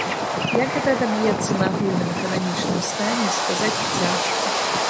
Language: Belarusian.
Як гэта адаб'ецца на агульным эканамічным стане, сказаць цяжка.